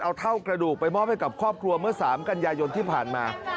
เอาเท่ากระดูกไปมอบให้กับครอบครัวเมื่อ๓กันยายนที่ผ่านมา